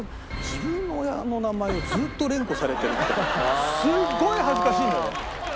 自分の親の名前をずっと連呼されてるってすごい恥ずかしいんだよね